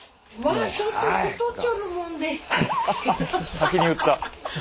先に言った。